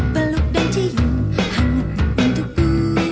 peluk dan cium hangat untukku